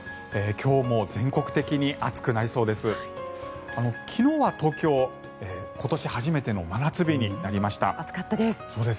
今日も全国的に暑くなりそうです。